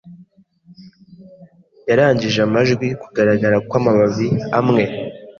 yarangije amajwi Kugaragara kwamababi amwe